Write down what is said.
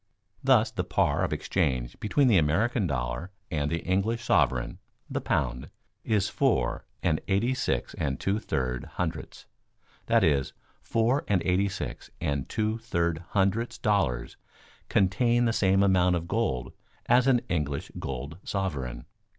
Thus the par of exchange between the American dollar and the English sovereign (the "pound") is four and eighty six and two third hundredths, that is, four and eighty six and two third hundredths dollars contain the same amount of gold as an English gold sovereign.